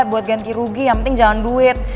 buat ganti rugi yang penting jangan duit